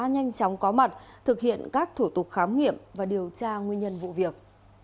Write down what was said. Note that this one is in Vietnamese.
nhanh chóng có mặt thực hiện các thủ tục khám nghiệm và điều tra nguyên nhân vụ việc